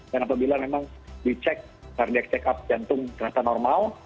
dan apabila memang dicek kardiak check up jantung terasa normal